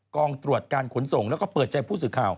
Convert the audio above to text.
กองตรวจการขนส่งแล้วก็เปิดใจผู้สื่อข่าว